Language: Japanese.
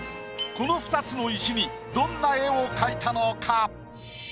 この２つの石にどんな絵を描いたのか？